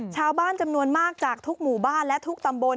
ชาวบ้านจำนวนมากจากทุกหมู่บ้านและทุกตำบล